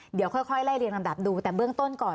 เดี๋ยวค่อยไล่เรียงลำดับดูแต่เบื้องต้นก่อน